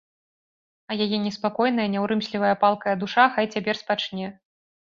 А яе неспакойная, няўрымслівая, палкая душа хай цяпер спачне.